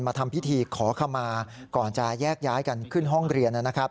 ทำพิธีขอขมาก่อนจะแยกย้ายกันขึ้นห้องเรียนนะครับ